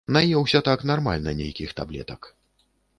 Наеўся так нармальна нейкіх таблетак.